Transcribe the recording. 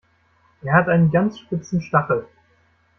Er hat einen ganz spitzen Stachel.